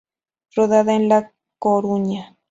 Rodada en La Coruña.